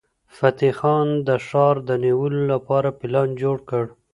فتح خان د ښار د نیولو لپاره پلان جوړ کړ.